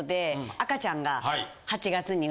赤ちゃんや。